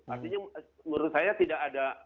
artinya menurut saya tidak ada